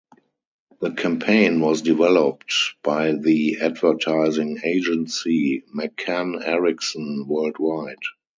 The campaign was developed by the advertising agency McCann-Erickson Worldwide.